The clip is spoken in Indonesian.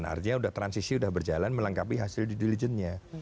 artinya transisi sudah berjalan melengkapi hasil di diligence nya